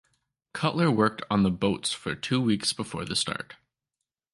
Cutler worked on the boats for two weeks before the start.